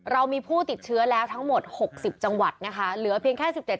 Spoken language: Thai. เรามีผู้ติดเชื้อแล้วทั้งหมดหกสิบจังหวัดนะคะเหลือเพียงแค่สิบเจ็ด